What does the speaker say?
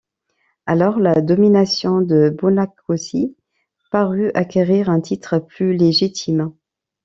Alors la domination de Bonacossi parut acquérir un titre plus légitime.